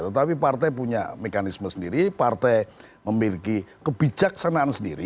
tetapi partai punya mekanisme sendiri partai memiliki kebijaksanaan sendiri